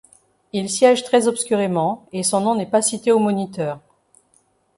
Il siège très obscurément et son nom n'est pas cité au Moniteur.